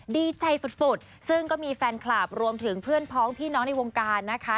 ดีใจสุดซึ่งก็มีแฟนคลับรวมถึงเพื่อนพ้องพี่น้องในวงการนะคะ